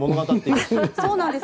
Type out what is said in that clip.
そうなんです。